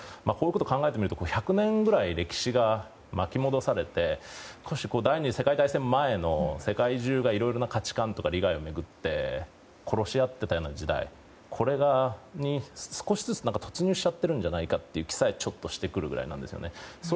こういうことを考えてみると１００年くらい歴史が巻き戻されて第２次世界大戦前の世界中が、いろいろな価値観や利害を巡って殺しあっていたような時代これに少しずつ突入しちゃってるんじゃないかという気がちょっとしてくるぐらいなんです。